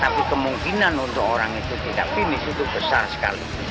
tapi kemungkinan untuk orang itu tidak finish itu besar sekali